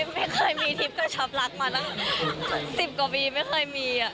ไม่เคยมีทริปกระชับรักมานะ๑๐กว่าปีไม่เคยมี